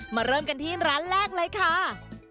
เริ่มกันที่ร้านแรกเลยค่ะ